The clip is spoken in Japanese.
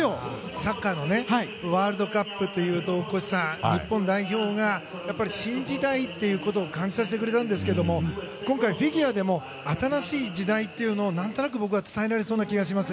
サッカーのワールドカップというと大越さん日本代表が、新時代ということを感じさせてくれましたが今回、フィギュアでも新しい時代というのをなんとなく僕は伝えられそうな気がします。